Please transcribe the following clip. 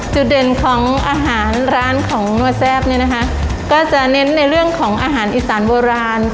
จุดเด่นของอาหารร้านของนัวแซ่บเนี่ยนะคะก็จะเน้นในเรื่องของอาหารอีสานโบราณ